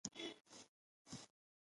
د دوه منده ولسوالۍ ښکلې ده